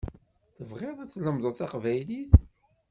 Tebɣiḍ ad tlemded taqbaylit?